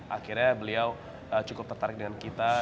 akhirnya beliau cukup tertarik dengan kita